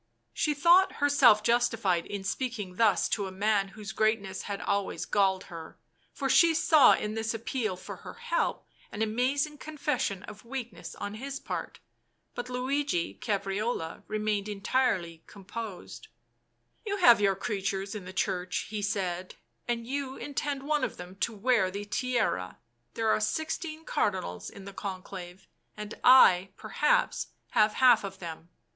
She thought herself justified in speaking thus to a man whose greatness had always galled her, for she saw in this appeal for her help an amazing confession of weakness on his part. But Luigi Caprarola remained entirely composed. " You have your creatures in the Church," he said, " and you intend one of them to wear the Tiara — there are sixteen Cardinals in the Conclave, and I, perhaps, have half of them.